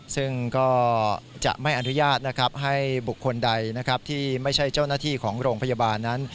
ซึ่งก็จะไม่อนุญาตนะครับให้บุคคลใดนะครับที่ไม่ใช่เจ้าหน้าที่ของโรงพยาบาลนั้น